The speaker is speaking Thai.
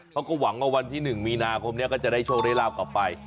เขาก็หวังว่าวันที่หนึ่งมีนาคมเนี่ยก็จะได้โชว์เร้ระลาฟกลับไป